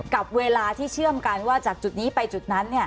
กับเวลาที่เชื่อมกันว่าจากจุดนี้ไปจุดนั้น